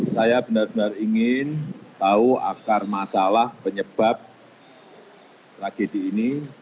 saya benar benar ingin tahu akar masalah penyebab tragedi ini